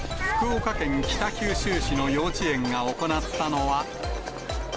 福岡県北九州市の幼稚園が行ったのは。